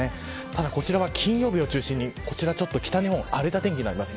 ただ、こちらは金曜日を中心に北日本は荒れた天気になります。